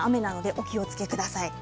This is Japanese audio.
お気をつけください。